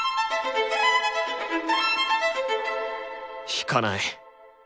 弾かない。